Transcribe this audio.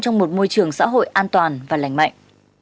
trong một môi trường xã hội an toàn và lành mạnh